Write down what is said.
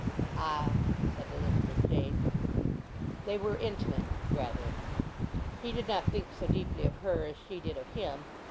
"Ah," said Elizabeth Jane. "They were intimate—rather. He did not think so deeply of her as she did of him.